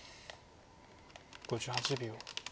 ５８秒。